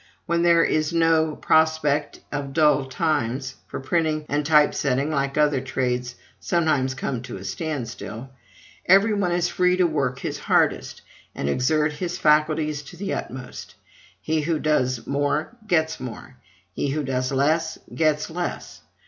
When there is no prospect of dull times (for printing and typesetting, like all other trades, sometimes come to a stand still), every one is free to work his hardest, and exert his faculties to the utmost: he who does more gets more; he who does less gets less.